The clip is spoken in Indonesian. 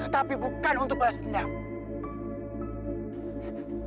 tapi bukan untuk balas dendam